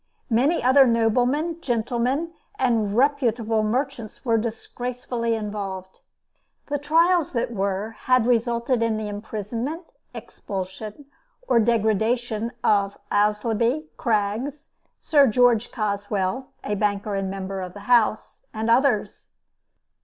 Many other noblemen, gentlemen, and reputable merchants were disgracefully involved. The trials that were had resulted in the imprisonment, expulsion or degradation of Aislabie, Craggs, Sir George Caswell (a banker and member of the House,) and others.